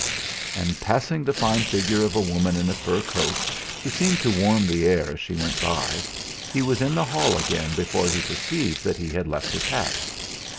and passing the fine figure of a woman in a fur coat, who seemed to warm the air as she went by, he was in the hall again before he perceived that he had left his hat.